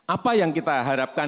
apa yang kita harapkan